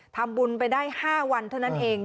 ทำบุญไปได้๕วันเท่านั้นเอง